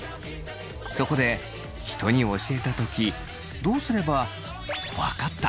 そこで人に教えた時どうすれば分かった！